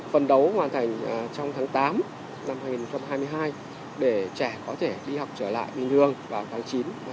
phần đấu hoàn thành trong tháng tám năm hai nghìn hai mươi hai để trẻ có thể đi học trở lại bình thường vào tháng chín